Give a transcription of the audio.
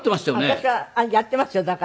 私はやっていますよだから。